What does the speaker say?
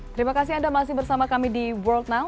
terima kasih anda masih bersama kami di world now